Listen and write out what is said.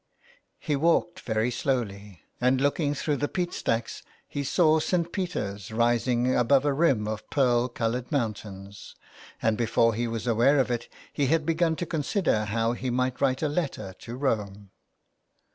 He walked very slowly, and looking through the peat stacks he saw St. Peter's rising above a rim of pearl coloured mountains, and before he was aware of it he had begun to consider how he might write a letter to Rome.